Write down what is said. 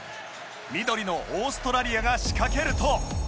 緑のオーストラリアが仕掛けると。